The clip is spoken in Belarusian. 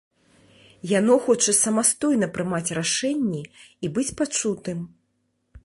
Яно хоча самастойна прымаць рашэнні і быць пачутым.